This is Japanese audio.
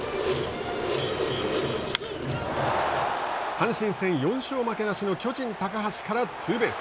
阪神戦４勝負けなしの巨人高橋からツーベース。